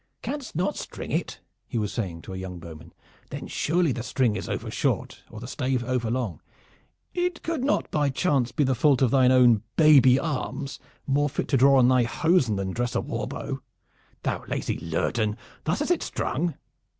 "Canst not string it?" he was saying to a young bowman. "Then surely the string is overshort or the stave overlong. It could not by chance be the fault of thy own baby arms more fit to draw on thy hosen than to dress a warbow. Thou lazy lurdan, thus is it strung!"